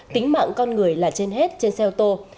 tính mạng con người là trên hết trên xe ô tô